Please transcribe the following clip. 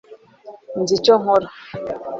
nzi icyo nkora